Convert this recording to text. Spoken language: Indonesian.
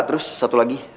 terus satu lagi